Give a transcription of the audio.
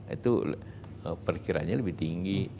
itu perkiranya lebih tinggi